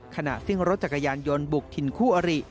ขณะซิ่งรถจักรยานยนต์บุกถิ่นคู่อริ